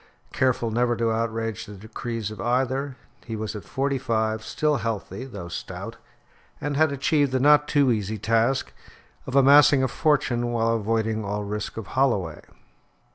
Careful never to outrage the decrees of either, he was at forty five still healthy, though stout; and had achieved the not too easy task of amassing a fortune while avoiding all risk of Holloway.